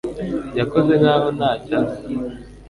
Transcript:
yakoze nkaho ntacyo azi